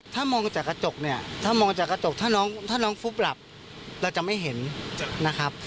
ถ้ามองจากกระจกเนี่ยถ้ามองจากกระจกถ้าน้องฟุบหลับเราจะไม่เห็นนะครับ